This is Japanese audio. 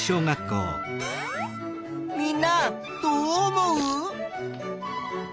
みんなどう思う？